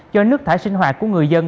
do nước thải sinh hoạt của người dân